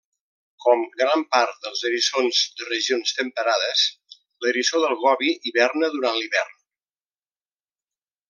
Com gran part dels eriçons de regions temperades, l'eriçó del Gobi hiberna durant l'hivern.